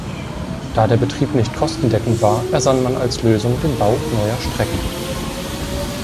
Da der Betrieb nicht kostendeckend war, ersann man als Lösung den Bau neuer Strecken.